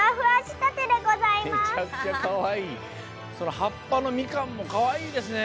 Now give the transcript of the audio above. はっぱのみかんもかわいいですね。